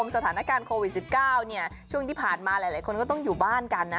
สถานการณ์โควิด๑๙ช่วงที่ผ่านมาหลายคนก็ต้องอยู่บ้านกันนะ